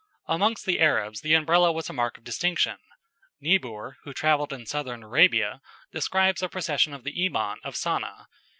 Amongst the Arabs the Umbrella was a mark of distinction. Niebuhr, who travelled in Southern Arabia, describes a procession of the Iman of Sanah.